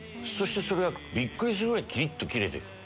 それがびっくりするぐらいキリっとキレてる。